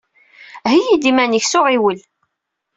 Heyyi-d iman-ik s uɣiwel.